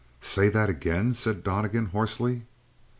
"Say that again!" said Donnegan hoarsely.